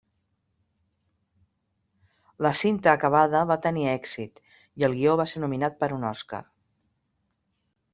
La cinta acabada va tenir èxit i el guió va ser nominat per un Oscar.